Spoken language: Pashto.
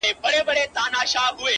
چي یوازي یې ایستله کفنونه،